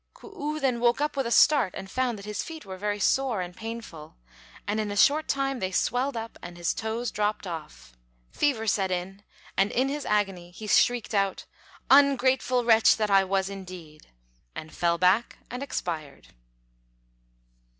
K'u then woke up with a start, and found that his feet were very sore and painful; and in a short time they swelled up, and his toes dropped off. Fever set in, and in his agony he shrieked out, "Ungrateful wretch that I was indeed," and fell back and expired.